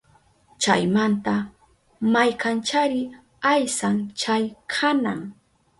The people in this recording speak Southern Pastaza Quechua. Chaymanta maykanchari aysan chay qanan